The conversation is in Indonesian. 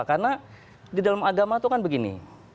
karena di dalam agama itu kan begini